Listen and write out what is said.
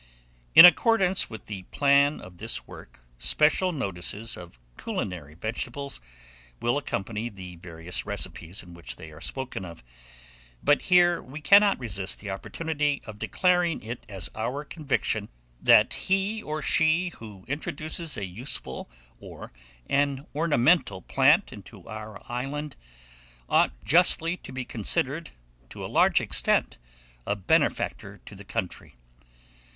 IN ACCORDANCE WITH THE PLAN OF THIS WORK, special notices of culinary vegetables will accompany the various recipes in which they are spoken of; but here we cannot resist the opportunity of declaring it as our conviction, that he or she who introduces a useful or an ornamental plant into our island, ought justly to be considered, to a large extent, a benefactor to the country.